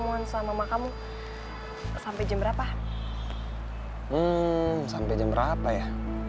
hmm sampai jam berapa ya